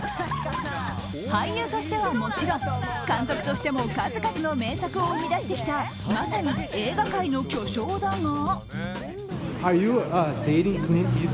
俳優としてはもちろん監督しても数々の名作を生み出してきたまさに映画界の巨匠だが。